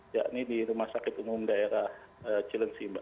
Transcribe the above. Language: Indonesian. yakni di rumah sakit umum daerah cilengsi mbak